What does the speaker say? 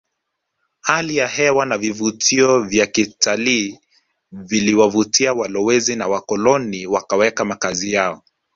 Hali ya hewa na vivutio vya kitalii viliwavutia walowezi na wakoloni wakaweka makazi yao